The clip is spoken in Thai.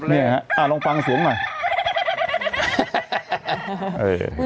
นี่อะอ่าลองฟังสูงหน่อย